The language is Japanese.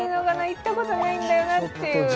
行ったことないんだよなっていう。